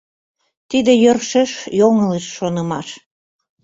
Тиде йӧршеш йоҥылыш шонымаш.